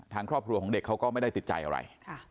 ทางครอบครัวของเด็กเขาก็ไม่ได้ติดใจอะไร